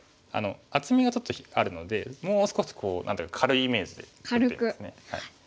厚みがちょっとあるのでもう少し何ていうか軽いイメージで打ってみます。